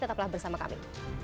tetaplah bersama kami